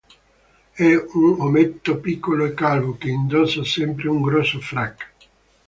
È un ometto piccolo e calvo, che indossa sempre un grosso frac.